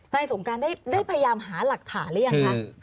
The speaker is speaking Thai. สงการได้พยายามหาหลักฐานหรือยังคะ